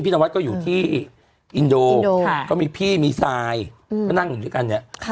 พี่นวัสก็อยู่ที่อินโดมีพี่มีซายก็นั่งอยู่ด้วยกัน